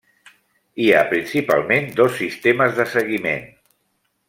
Hi ha principalment dos sistemes de seguiment.